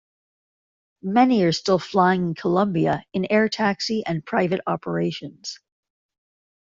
Many are still flying in Colombia in air taxi and private operations.